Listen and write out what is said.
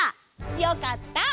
よかった！